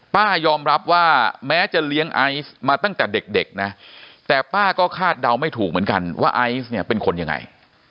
ป้ายอมรับว่าแม้จะเลี้ยงไอซ์มาตั้งแต่เด็กนะแต่ป้าก็คาดเดาไม่ถูกเหมือนกันว่าไอซ์เนี่ยเป็นคนยังไง